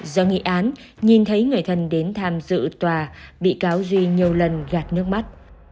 do nghị án nhìn thấy người thân đến tham dự tòa bị cáo duy nhiều lần gạt nước mắt